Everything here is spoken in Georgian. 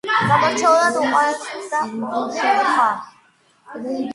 გამორჩეულად უყვარდა კითხვა.